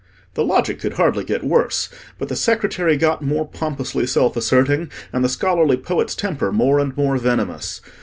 The logic could hardly get worse, but the secretary got more pompously self asserting, and the scholarly poet's temper more and more venomous.